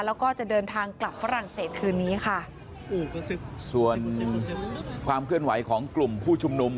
แล้วก็จะเดินทางกลับฝรั่งเศสคืนนี้ค่ะส่วนความเคลื่อนไหวของกลุ่มผู้ชุมนุม